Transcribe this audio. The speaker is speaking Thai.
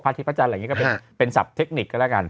พระอาทิตย์พระจันทร์อะไรอย่างนี้ก็เป็นสับเทคนิคก็แล้วกัน